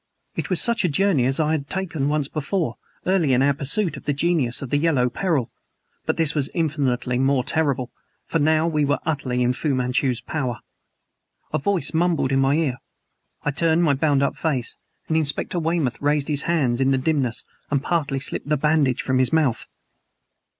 It was such a journey as I had taken once before, early in our pursuit of the genius of the Yellow Peril; but this was infinitely more terrible; for now we were utterly in Fu Manchu's power. A voice mumbled in my ear. I turned my bound up face; and Inspector Weymouth raised his hands in the dimness and partly slipped the bandage from his mouth.